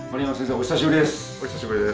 お久しぶりです。